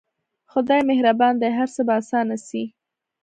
خداى مهربان دى هر څه به اسانه سي.